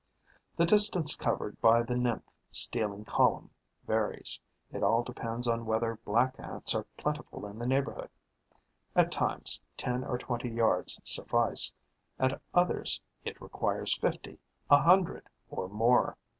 The distance covered by the nymph stealing column varies: it all depends on whether Black Ants are plentiful in the neighbourhood. At times, ten or twenty yards suffice; at others, it requires fifty, a hundred or more.